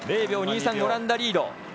０秒２３、オランダリード。